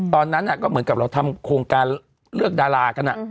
ตอนนั้นก็เหมือนกับเราทำโครงการเลือกดารากัน